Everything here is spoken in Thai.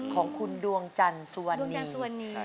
ของคุณดวงจันสวนี